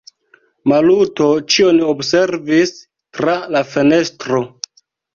Maluto ĉion observis tra la fenestro.